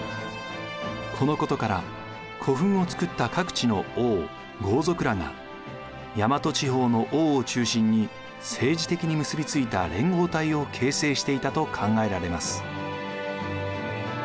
このことから古墳を造った各地の王豪族らが大和地方の王を中心に政治的に結びついた連合体を形成していたと考えられます。